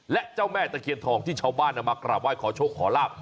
และเจ้าแม่ตะเคียนทองที่ชาวบ้านเอามากราบไห้ขอโชคขอลาบ